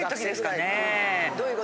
どういう子？